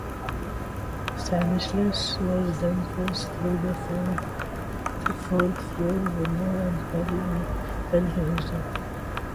Stanislas was then forced through a fourth-floor window and fell to his death.